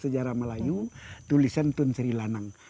sejarah melayu tulisan tun sri lanang